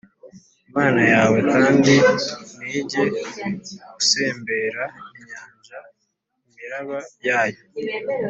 Imana yawe kandi ni jye usembura inyanja imiraba yayo